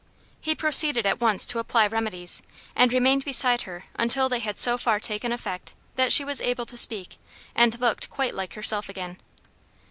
He proceeded at once to apply remedies, and remained beside her until they had so far taken effect that she was able to speak, and looked quite like herself again.